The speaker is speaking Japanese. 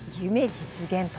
実現と。